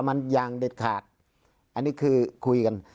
มันอย่างเด็ดขาดอันนี้คือคุยกัน